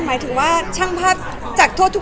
หมายถึงว่าช่างภาพจากทั่วทุกมุมโลกเยอะมากเลยนะคะ